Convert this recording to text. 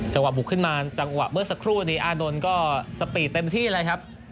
บุกขึ้นมาจังหวะเมื่อสักครู่นี้อานนท์ก็สปีดเต็มที่เลยครับ